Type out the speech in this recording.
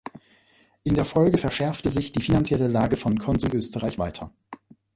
In der Folge verschärfte sich die finanzielle Lage von Konsum Österreich weiter.